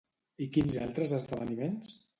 I quins altres esdeveniments?